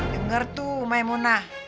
dengar tuh maimunah